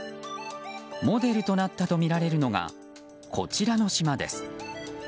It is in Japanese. モデルとなったとみられるのがこちらの島です。